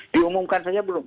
diumumkan saja belum